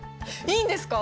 いいんですか？